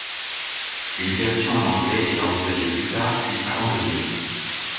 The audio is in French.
Une version en anglais est envisagée plus tard puis abandonnée.